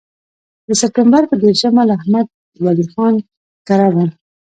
د سپټمبر پر دېرشمه له احمد ولي خان کره وم.